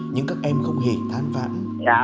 nhưng các em không hề than vạn